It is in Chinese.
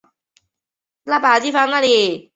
出身于岐阜县岐阜市。